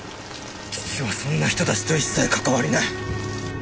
父はそんな人たちと一切関わりない。